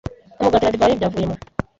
umugati na divayi, byavuye mu